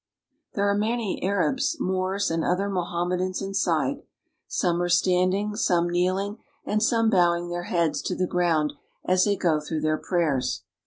There are many Arabs, ^^^1 Moors, and other Mohammedans inside. Some arc stand ^^^^ ing, some kneeling, and some bowing their heads to the ^^^1 ground as they go through their prayers.